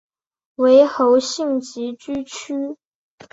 为侯姓集居区。